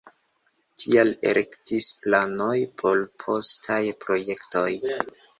Tial ekestis planoj por postaj projektoj.